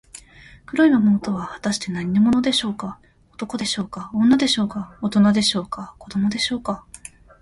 黒い魔物とは、はたして何者でしょうか。男でしょうか、女でしょうか、おとなでしょうか、子どもでしょうか。